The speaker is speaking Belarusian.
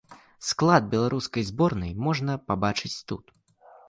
Склад беларускай зборнай можна пабачыць тут.